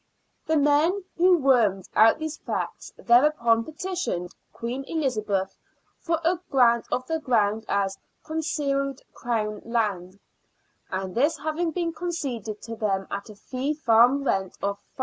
The men who wormed out these facts thereupon petitioned Queen Elizabeth for a grant of the ground as " concealed Crown land," and this having been conceded to them at a fee farm rent of 5s.